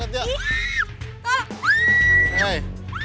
eh ikut yuk